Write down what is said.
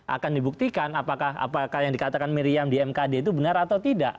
akan dibuktikan apakah yang dikatakan miriam di mkd itu benar atau tidak